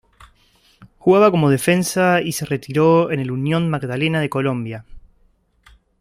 Jugaba como defensa y se retiró en el Unión Magdalena de Colombia.